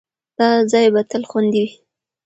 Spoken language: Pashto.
دا ځای به تل خوندي وي.